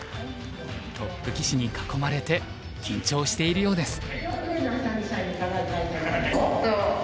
トップ棋士に囲まれて緊張しているようです。